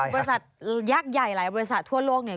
บริษัทยักษ์ใหญ่หลายบริษัททั่วโลกเนี่ย